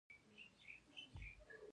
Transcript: د درخانۍ د حاصلولو د پاره ډېر کوششونه وکړل